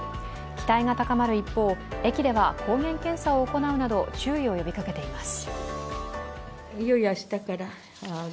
期待が高まる一方、駅では抗原検査を行うなど注意を呼びかけています。